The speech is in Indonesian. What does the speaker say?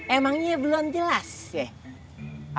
emangnya belum jelas ya